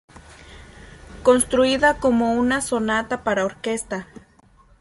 Construida como una sonata para orquesta.